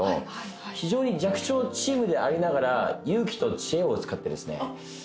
非常に弱小チームでありながら勇気と知恵を使ってですね